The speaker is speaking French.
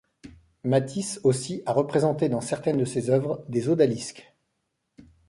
Matisse aussi a représenté dans certaines de ses œuvres des odalisques.